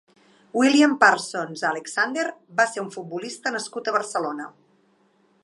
William Parsons Alexander va ser un futbolista nascut a Barcelona.